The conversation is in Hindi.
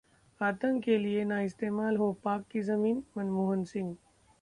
आतंक के लिए ना इस्तेमाल हो पाक की जमीन: मनमोहन